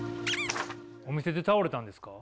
お店で倒れたんですか？